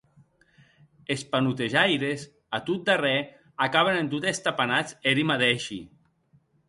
Es panotejaires, a tot darrèr, acaben en tot èster panats eri madeishi.